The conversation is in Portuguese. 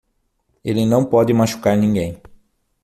Ele não pode machucar ninguém.